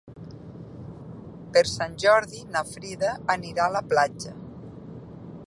Per Sant Jordi na Frida anirà a la platja.